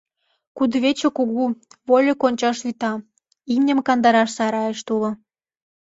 Кудывече кугу, вольык ончаш вӱта, имньым кандараш сарайышт уло.